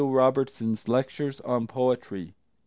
Robertson's lectures on Poetry.